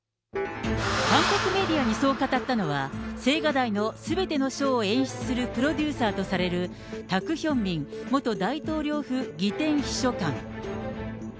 韓国メディアにそう語ったのは、青瓦台のすべてのショーを演出するプロデューサーとされる、タク・ヒョンミン元大統領府儀典秘書官。